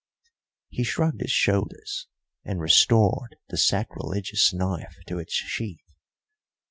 He shrugged his shoulders and restored the sacrilegious knife to its sheath.